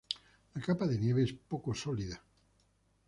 La capa de nieve es poco sólido.